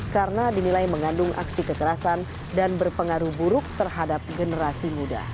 karena dinilai mengandung aksi kekerasan dan berpengaruh buruk terhadap generasi